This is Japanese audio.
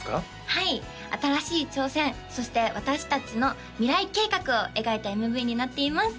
はい新しい挑戦そして私達の未来計画を描いたＭＶになっています